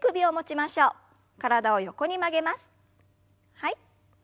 はい。